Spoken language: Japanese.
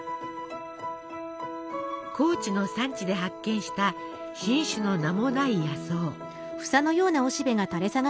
高知の山地で発見した新種の名もない野草。